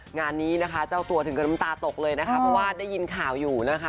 งานนี้นะคะเจ้าตัวถึงกับน้ำตาตกเลยนะคะเพราะว่าได้ยินข่าวอยู่นะคะ